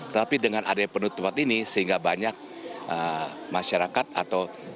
tapi dengan adanya penutup jalan ini sehingga banyak masyarakat atau pemerintah